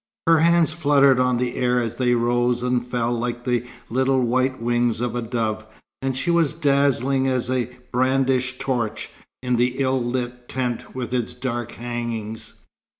Her hands fluttered on the air as they rose and fell like the little white wings of a dove; and she was dazzling as a brandished torch, in the ill lit tent with its dark hangings.